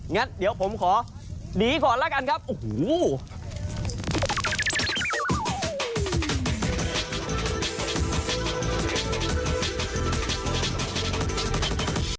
งั้นเดี๋ยวผมขอหนีก่อนแล้วกันครับโอ้โห